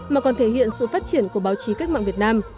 mà còn thể hiện sự phát triển của báo chí cách mạng việt nam